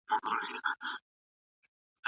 د خلکو له ژوند څخه ځان خبر کړئ.